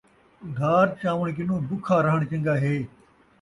ادھار چاوݨ کنوں بکھا رہݨ چنڳا ہے